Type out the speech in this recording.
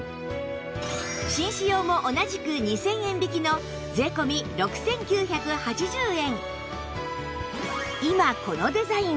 紳士用も同じく２０００円引きの税込６９８０円